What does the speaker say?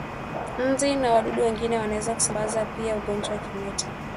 Nzi na wadudu wengine wanaweza kusambaza pia ugonjwa wa kimeta